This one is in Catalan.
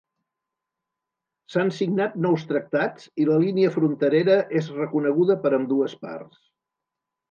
S'han signat nous tractats i la línia fronterera és reconeguda per ambdues parts.